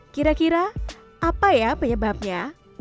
kira kira apa ya penyebabnya